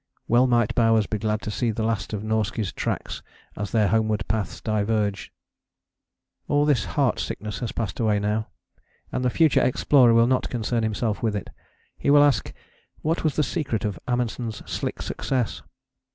Well might Bowers be glad to see the last of Norskies' tracks as their homeward paths diverged. All this heartsickness has passed away now; and the future explorer will not concern himself with it. He will ask, what was the secret of Amundsen's slick success?